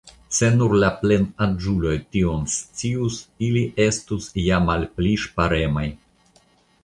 Se nur la plenaĝuloj tion scius, ili estus ja malpli ŝparemaj.